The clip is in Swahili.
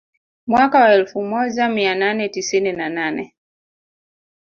Mwaka wa elfu moja mia nane tisini na nane